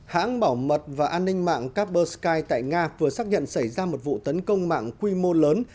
hãng bảo mật và an ninh mạng caper sky tại nga vừa xác nhận xảy ra một vụ tấn công mạng quy mô lớn